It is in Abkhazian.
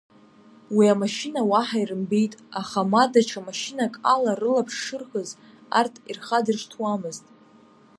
Уи амашьына уаҳа ирымбеит, аха ма даҽа машьынак ала рылаԥш шырхыз арҭ ирхадыршҭуамызт.